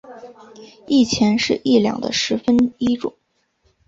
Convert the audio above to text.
一钱是一两的十分一重。